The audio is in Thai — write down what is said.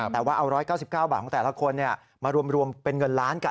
แต่ว่าเอา๑๙๙บาทของแต่ละคนมารวมเป็นเงินล้านกัน